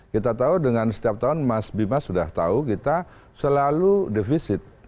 kita tahu dengan setiap tahun mas bima sudah tahu kita selalu defisit